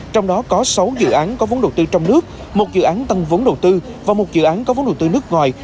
trong đó có sáu dự án có vốn đầu tư trong nước một dự án tăng vốn đầu tư và một dự án có vốn đầu tư nước ngoài